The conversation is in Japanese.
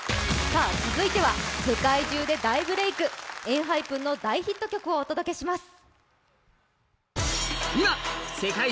さあ続いては世界中で大ブレイクＥＮＨＹＰＥＮの大ヒット曲をお届けします。